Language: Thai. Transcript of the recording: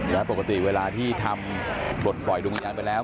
แล้วปกติเวลาที่ทำปลดปล่อยดวงวิญญาณไปแล้ว